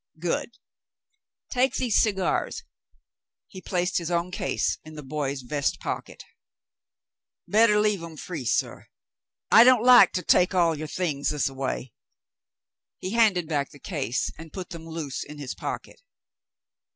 Good ! Take these cigars." He placed his own case in the boy's vest pocket. 62 The Mountain Girl "Better leave 'em free, suh. I don't like to take all your things this a way." He handed back the case, and put them loose in his pocket.